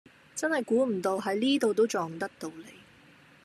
真係估唔到喺呢度都撞得到你